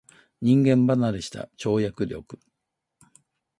人間離れした跳躍力